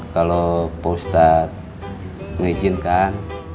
kalau pak ustadz mengizinkan